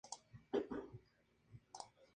El caos terminaría en el Reino de la Tierra.